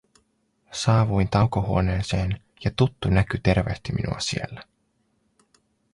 Saavuin taukohuoneeseen, ja tuttu näky tervehti minua siellä.